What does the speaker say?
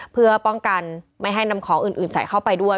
เพื่อป้องกันไม่ให้นำของอื่นใส่เข้าไปด้วย